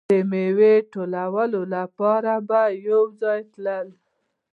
د میوې ټولولو لپاره به یو ځای تلل.